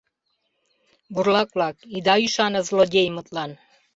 Бурлак-влак, ида ӱшане злодеймытлан.